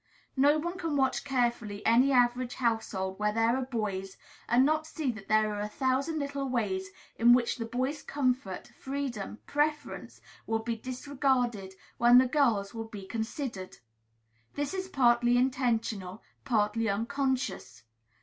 No one can watch carefully any average household where there are boys, and not see that there are a thousand little ways in which the boys' comfort, freedom, preference will be disregarded, when the girls' will be considered. This is partly intentional, partly unconscious.